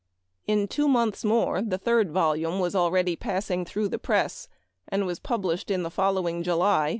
In two months more the third volume was already :ig through the press, and was published in the following July, (1856.)